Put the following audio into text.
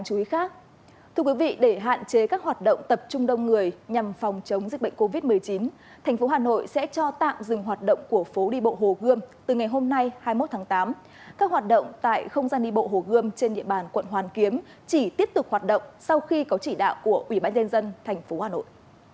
các khẩu trang hoạt động tại không gian đi bộ hồ gươm trên địa bàn quận hoàn kiếm chỉ tiếp tục hoạt động sau khi có chỉ đạo của ubnd tp hà nội